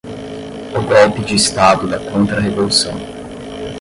O Golpe de Estado da Contra-Revolução